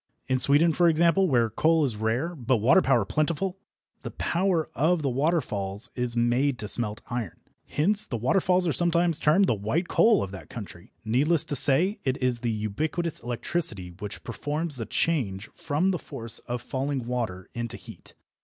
In Sweden, for example, where coal is rare, but water power plentiful, the power of the waterfalls is made to smelt iron. Hence the waterfalls are sometimes termed the "white coal" of that country. Needless to say, it is the ubiquitous electricity which performs the change from the force of falling water into heat.